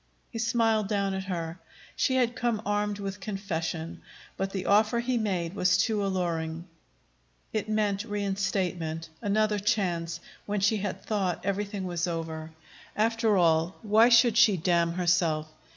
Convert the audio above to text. He smiled down at her. She had come armed with confession. But the offer he made was too alluring. It meant reinstatement, another chance, when she had thought everything was over. After all, why should she damn herself?